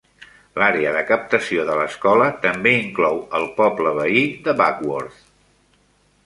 L'àrea de captació de l'escola també inclou el poble veí de Bagworth.